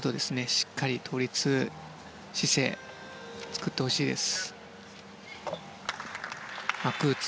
しっかり倒立姿勢作ってほしいです。